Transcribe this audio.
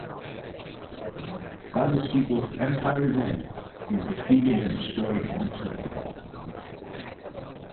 By the sequel, "Empire's End", he is defeated and destroyed once and for all.